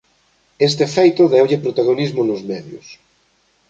Este feito deulle protagonismo nos medios.